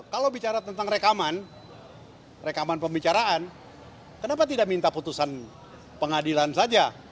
kalau bicara tentang rekaman pembicaraan kenapa tidak minta putusan pengadilan saja